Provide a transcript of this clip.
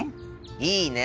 いいねえ。